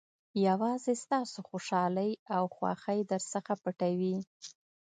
یوازې ستاسو خوشالۍ او خوښۍ درڅخه پټوي.